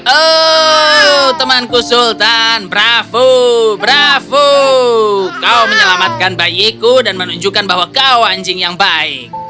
oh temanku sultan bravo bravo kau menyelamatkan bayiku dan menunjukkan bahwa kau anjing yang baik